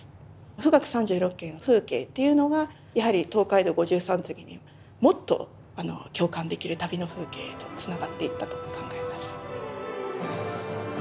「冨嶽三十六景」の風景っていうのがやはり「東海道五拾三次」にもっと共感できる旅の風景へとつながっていったと考えます。